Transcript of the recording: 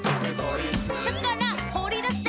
「たからほりだせ！」